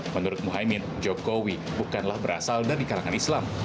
menurut muhaymin jokowi bukanlah berasal dari kalangan islam